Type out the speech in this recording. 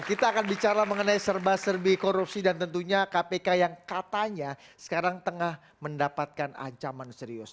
kita akan bicara mengenai serba serbi korupsi dan tentunya kpk yang katanya sekarang tengah mendapatkan ancaman serius